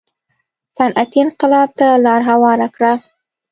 صنعتي انقلاب ته لار هواره کړه.